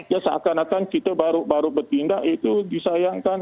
ya seakan akan kita baru bertindak itu disayangkan